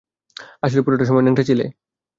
আসলেই পুরোটা সময় ন্যাংটা ছিলে?